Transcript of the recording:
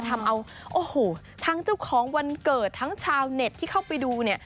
ทำเอาทั้งเจ้าของวันเกิดทั้งชาวเน็ตที่เข้าไปดู